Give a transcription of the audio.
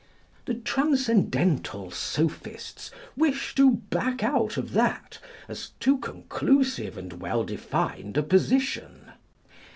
The transcendental sophists wish to back out of that, as too conclusive and well defined a position.